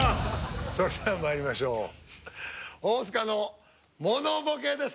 それではまいりましょう大須賀のものボケです